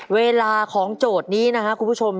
เวลาของโจทย์นี้นะครับคุณผู้ชม